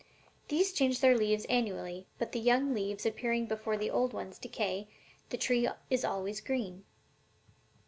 'These change their leaves annually, but, the young leaves appearing before the old ones decay, the tree is always green.'"